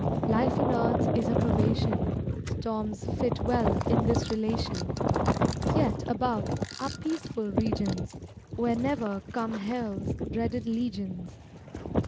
Life on earth is a probation; Storms fit well in this relation; Yet, above, are peaceful regions, Where ne'er come hell's dreaded legions.